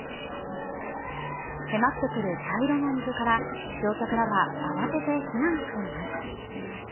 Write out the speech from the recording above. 迫ってくる茶色の水から乗客らは慌てて避難しています。